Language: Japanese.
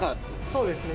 そうですね。